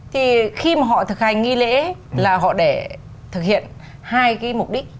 thì khi mà họ thực hành nghi lễ là họ để thực hiện hai cái mục đích